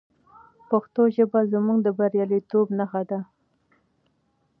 پښتو ژبه زموږ د بریالیتوب نښه ده.